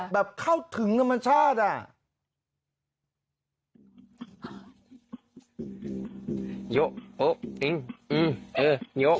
แบบเข้าถึงธรรมชาติ